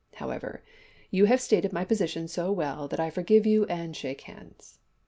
However, you have stated my position so well that I forgive you and shake hands.